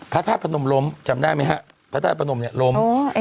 พระธาตุพนมล้มจำได้ไหมฮะพระธาตุพนมเนี่ยล้ม